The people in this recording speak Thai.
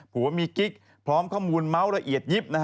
ผู้ว่ามีกิ๊กพร้อมข้อมูลเม้าระเอียดยิบ